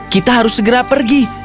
kita harus segera pergi